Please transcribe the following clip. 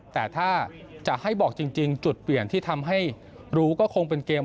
แต่ถ้าจะให้บอกจริงจุดเปลี่ยนที่ทำให้รู้ก็คงเป็นเกม